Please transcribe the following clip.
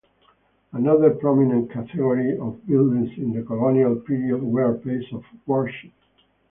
Another prominent category of buildings in the colonial period were places of worship.